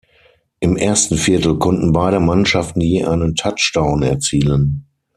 Im ersten Viertel konnten beide Mannschaften je einen Touchdown erzielen.